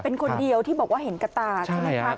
เป็นคนเดียวที่บอกว่าเห็นกระตาใช่ไหมคะ